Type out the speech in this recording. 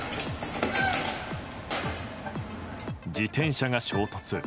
自転車が衝突。